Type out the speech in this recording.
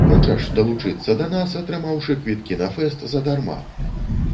Хочаш далучыцца да нас, атрымаўшы квіткі на фэст задарма?